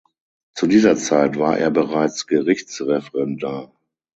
Zu dieser Zeit war er bereits Gerichtsreferendar.